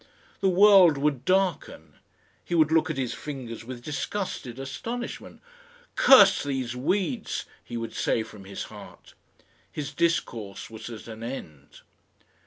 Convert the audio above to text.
The world would darken. He would look at his fingers with disgusted astonishment. "CURSE these weeds!" he would say from his heart. His discourse was at an end.